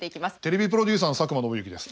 テレビプロデューサーの佐久間宣行です。